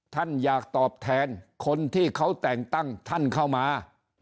ท่านอยากตอบแทนคนที่เขาแต่งตั้งท่านเข้ามา